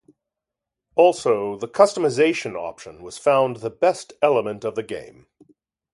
Also the customization option was found the best element of the game.